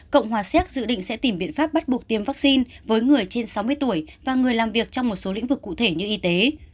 cộng hòa séc dự định sẽ tìm biện pháp bắt buộc tiêm vaccine với người trên sáu mươi tuổi và người làm việc trong một số lĩnh vực cụ thể như y tế